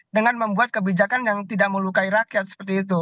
dengan membuat kebijakan yang tidak melukai rakyat seperti itu